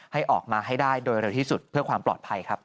ให้ออกมาให้ได้โดยเร็วที่สุดเพื่อความปลอดภัยครับ